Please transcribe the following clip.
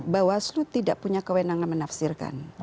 bahwa slu tidak punya kewenangan menafsirkan